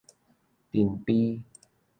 塵蜱